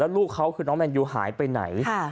ลูกเขาคือน้องแมนยูหายไปไหน